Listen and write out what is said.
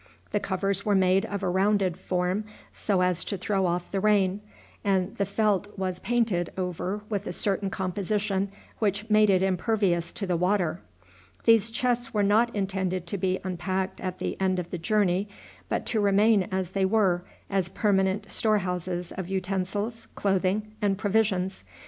The covers were made of a rounded form, so as to throw off the rain, and the felt was painted over with a certain composition which made it impervious to the water. These chests were not intended to be unpacked at the end of the journey, but to remain as they were, as permanent storehouses of utensils, clothing, and provisions.